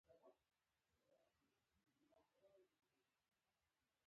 مور يې د غوا په شان غټه وه.